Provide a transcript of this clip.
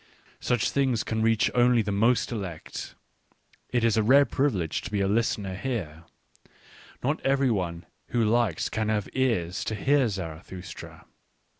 Such things can reach only the most elect ; it is Digitized by Google PREFACE 5 a rare privilege to be a listener here ; not every one who likes can have ears to hear Zarathustra.